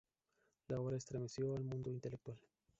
La obra estremeció al mundo intelectual.